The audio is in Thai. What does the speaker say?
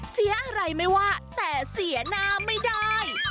เสียอะไรไม่ว่าแต่เสียหน้าไม่ได้